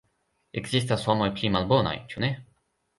Ekzistas homoj pli malbonaj, ĉu ne?